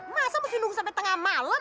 masa mesti nunggu sampe tengah malem